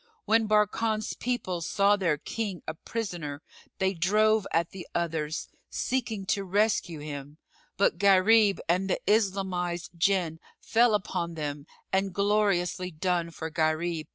When Barkan's people saw their king a prisoner, they drove at the others, seeking to rescue him, but Gharib and the Islamised Jinn fell upon them and gloriously done for Gharib!